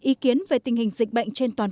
ý kiến về tình hình dịch bệnh trên toàn quốc